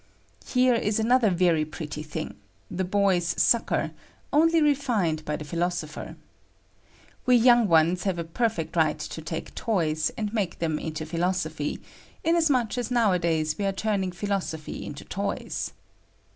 Here is another very pretty thing — the hoys' Bocker, only refiued by the philosopher. We young ones have a perfect right to tate toys, and make them into philosophy, inasmuch as nowadays we arc turning philosophy into toys.